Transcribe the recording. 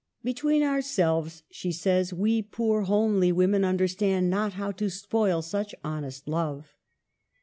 '* Between ourselves," she says, "■ we poor homely women understand not how to spoil such honest love."